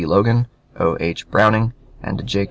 Logan, 0. H. Browning, and J.